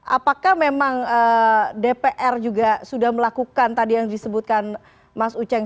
apakah memang dpr juga sudah melakukan tadi yang disebutkan mas uceng